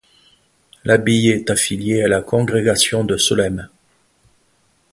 L’abbaye est affiliée à la Congrégation de Solesmes.